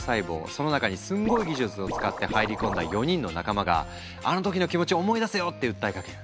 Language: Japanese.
その中にすんごい技術を使って入り込んだ４人の仲間があの時の気持ち思い出せよって訴えかける。